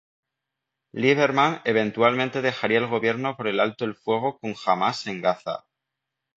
Lieberman eventualmente dejaría el gobierno por el alto el fuego con Hamas en Gaza.